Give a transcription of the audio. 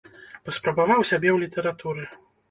Паспрабаваў сябе ў літаратуры.